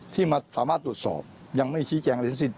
ที่สามารถตรวจสอบยังไม่ใช้ชี้แจงประชุมศิลป์